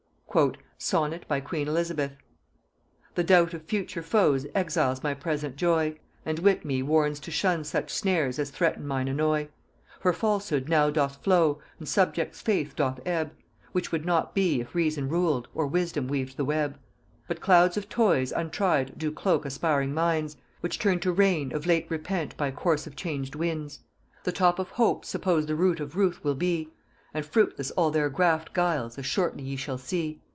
SONNET by Queen Elizabeth. The doubt of future foes exiles my present joy, And wit me warns to shun such snares as threaten mine annoy. For falsehood now doth flow, and subjects' faith doth ebb; Which would not be if Reason ruled, or Wisdom weaved the web. But clouds of toys untried do cloak aspiring minds, Which turn to rain of late repent by course of changed winds. The top of hope supposed the root of ruth will be; And fruitless all their graffed guiles, as shortly ye shall see.